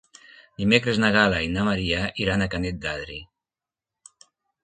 Dimecres na Gal·la i na Maria iran a Canet d'Adri.